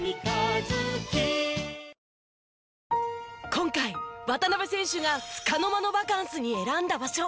今回渡邊選手がつかの間のバカンスに選んだ場所。